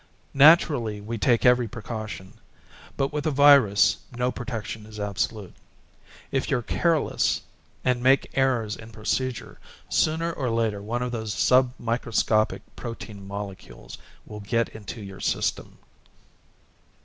Naturally, we take every precaution, but with a virus no protection is absolute. If you're careless and make errors in procedure, sooner or later one of those submicroscopic protein molecules will get into your system."